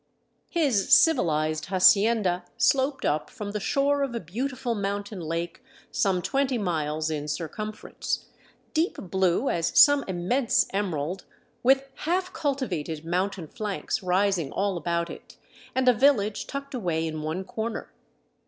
His " civilized hacienda " sloped up from the shore of a beautiful mountain lake some twenty miles in circumference, deep blue as some immense emerald, with half cultivated mountain flanks rising all about it, and a village tucked away in one corner.